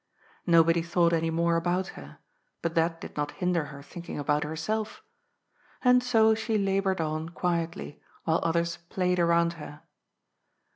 Nobody thought any more about her, but that did not hinder her thinking about herself. And so she laboured on quietly, while others played around her.